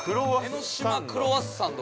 ◆江ノ島クロワッサンド